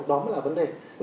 đó mới là vấn đề